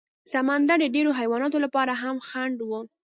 سمندر د ډېرو حیواناتو لپاره هم خنډ و.